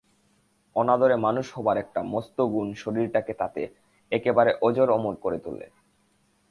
অনাদরে মানুষ হবার একটা মস্ত গুণ শরীরটাকে তাতে একেবারে অজর অমর করে তোলে।